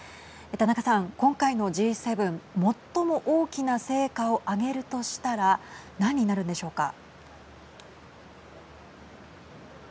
田中さん、今回のＧ７最も大きな成果を挙げるとしたら何になるんでしょうか。